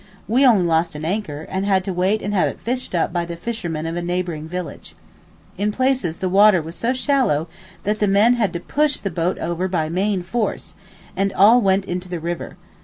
We only lost an anchor, and had to wait and have it fished up by the fishermen of a neighbouring village. In places the water was so shallow that the men had to push the boat over by main force, and all went into the river.